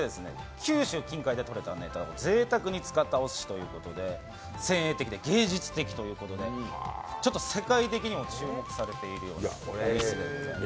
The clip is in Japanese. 九州近海でとれたネタをぜいたくに使ったおすしで先鋭的で芸術的ということで世界的にも注目されているおすし屋さんです。